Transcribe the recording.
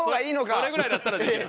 それぐらいだったらできる。